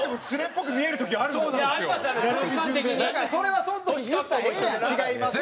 だからそれはその時に言ったらええやん「違います」って。